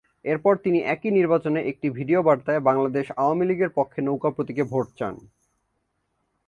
এরপর তিনি একই নির্বাচনে একটি ভিডিও বার্তায় বাংলাদেশ আওয়ামী লীগের পক্ষে নৌকা প্রতীকে ভোট চান।